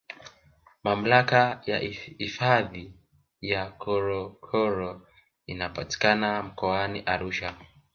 Mamlaka ya hifadhi ya ngorongoro inapatikana Mkoani Arusha